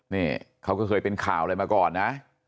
นี่เขาก็เคยเป็นข่าวอะไรมาก่อนนะ